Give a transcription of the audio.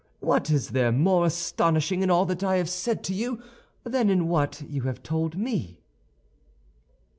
What is there more astonishing in all that I have said to you than in what you have told me?"